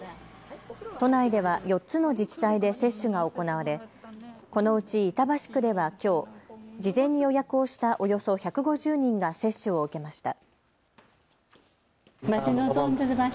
都内では４つの自治体で接種が行われ、このうち板橋区ではきょう事前に予約をしたおよそ１５０人が接種を受けました。